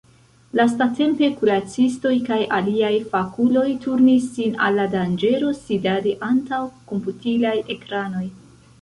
Lastatempe kuracistoj kaj aliaj fakuloj turnis sin al la danĝero sidadi antaŭ komputilaj ekranoj.